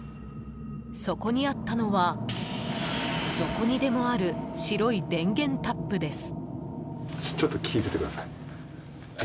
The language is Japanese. そこにあったのはどこにでもある白い電源タップです。